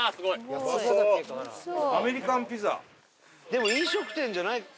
でも飲食店じゃない。